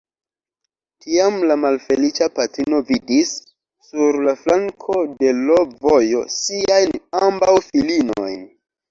Tiam la malfeliĉa patrino vidis, sur la flanko de l' vojo, siajn ambaŭ filinojn.